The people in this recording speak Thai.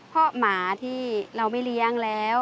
เพราะหมาที่เราไม่เลี้ยงแล้ว